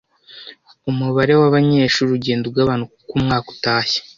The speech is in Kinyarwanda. Umubare wabanyeshuri ugenda ugabanuka uko umwaka utashye.